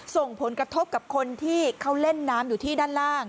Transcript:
ส่งผลกระทบกับคนที่เขาเล่นน้ำอยู่ที่ด้านล่าง